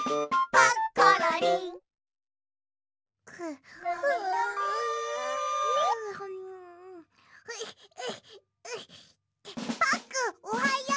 パックンおはよう！